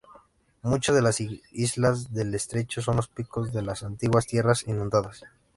Muchas de las islas del estrecho son los picos de las antiguas tierras inundadas.